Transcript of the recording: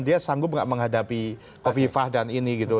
dia sanggup gak menghadapi kofifah dan ini gitu